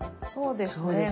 そうですね